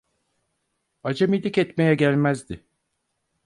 Acemilik etmeye gelmezdi.